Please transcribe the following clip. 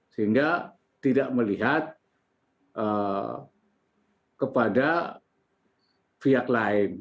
sehingga tidak melihat kepada pihak lain